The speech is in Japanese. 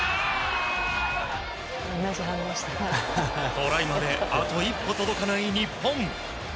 トライまであと一歩届かない日本。